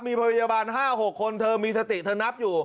มีพยาบาล๕๖คนเธอมีสติเธอนับอยู่